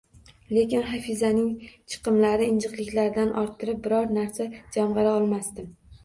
Lekin Hafizaning chiqimlari, injiqliklaridan orttirib biror narsa jamg`ara olmasdim